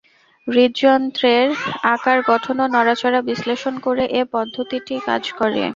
হৃদ্যন্ত্রের আকার, গঠন ও নড়াচড়া বিশ্লেষণ করে এ পদ্ধতিটি কাজ করে।